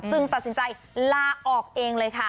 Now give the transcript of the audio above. ตัดสินใจลาออกเองเลยค่ะ